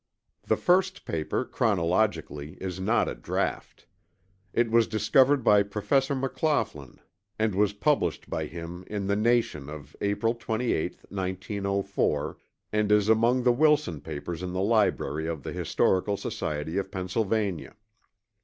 The first paper, chronologically, is not a draught. It was discovered by Professor McLaughlin and was published by him in the Nation of April 28, 1904, and is among the Wilson papers in the library of the Historical Society of Pennsylvania.